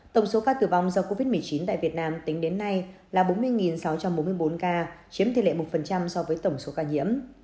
tổng số ca tử vong do covid một mươi chín tại việt nam tính đến nay là bốn mươi sáu trăm bốn mươi bốn ca chiếm tỷ lệ một so với tổng số ca nhiễm